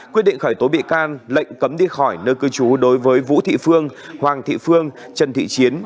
quyết định khởi tố bị can lệnh cấm đi khỏi nơi cư trú đối với vũ thị phương hoàng thị phương trần thị chiến